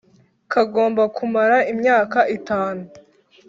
kagomba kumara imyaka itanu.